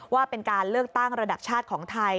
ว่าเป็นการเลือกตั้งระดับชาติของไทย